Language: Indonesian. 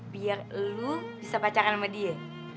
biar lu bisa pacaran sama dia